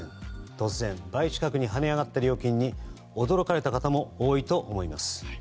突然、倍近くに跳ね上がった料金に驚かれた方も多いと思います。